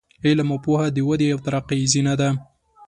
علم او پوهه د ودې او ترقۍ زینه ده.